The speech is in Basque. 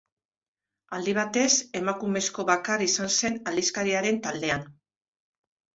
Aldi batez, emakumezko bakar izan zen aldizkariaren taldean.